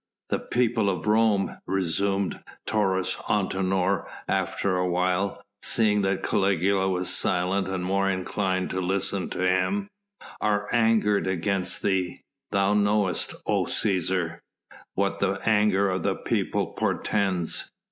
"The people of Rome," resumed Taurus Antinor after a while, seeing that Caligula was silent and more inclined to listen to him, "are angered against thee. Thou knowest, O Cæsar! what the anger of the people portends.